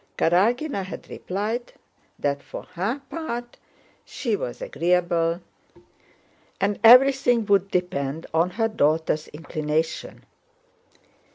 Karágina had replied that for her part she was agreeable, and everything depend on her daughter's inclination.